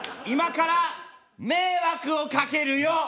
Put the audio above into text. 今から迷惑を掛けるよ！